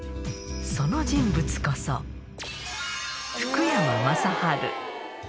その人物こそ、福山雅治。